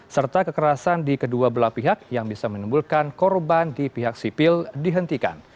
serta kekerasan di kedua belah pihak yang bisa menimbulkan korban di pihak sipil dihentikan